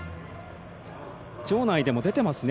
場内でも出ていますね。